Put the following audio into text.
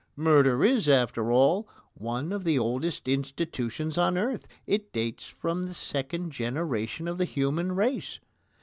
Murder is, after all, one of the oldest institutions on earth. It dates from the second generation of the human race.